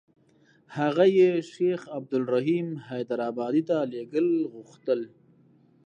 هغه یې شیخ عبدالرحیم حیدارآبادي ته لېږل غوښتل.